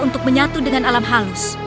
untuk menyatu dengan alam halus